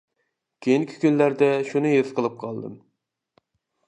كېيىنكى كۈنلەردە شۇنى ھېس قىلىپ قالدىم.